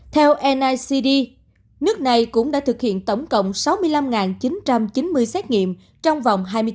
theo nicd nước này cũng đã thực hiện tổng cộng sáu mươi năm chín trăm chín mươi xét nghiệm trong vòng hai mươi bốn giờ